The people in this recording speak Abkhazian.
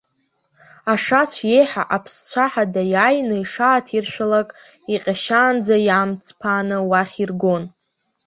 Ашацә иеиҳа аԥсцәаҳа даиааины ишааҭиршәалак, иҟьашьаанӡа иаамҵԥааны уахь иргон.